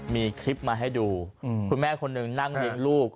มีคลิปมาให้ดูคุณแม่คนหนึ่งนั่งเลี้ยงลูก